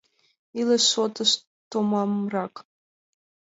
Илыш шотышт томамрак.